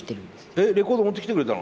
えレコード持ってきてくれたの？